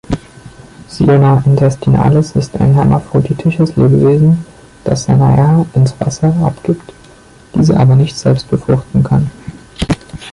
„Ciona intestinalis“ ist ein hermaphroditisches Lebewesen, das seine Eier ins Wasser abgibt, diese aber nicht selbst befruchten kann.